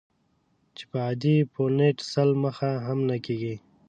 چې په عادي فونټ سل مخه هم نه کېږي.